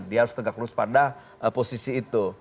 dia harus tegak lurus pada posisi itu